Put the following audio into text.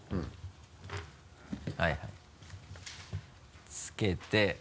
はいはいつけて。